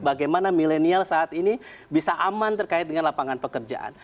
bagaimana milenial saat ini bisa aman terkait dengan lapangan pekerjaan